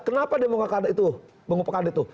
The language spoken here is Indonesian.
kenapa dia mengupakan itu